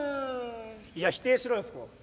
「いや否定しろよそこ」。